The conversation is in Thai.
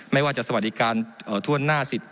ไม่ว่าจะสวัสดิการถ้วนหน้าสิทธิ